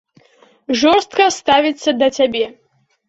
Жорстка ставіцца да цябе.